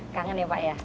kangen ya pak ya